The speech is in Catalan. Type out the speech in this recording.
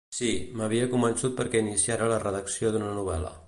Sí, m'havia convençut perquè iniciara la redacció d'una novel·la.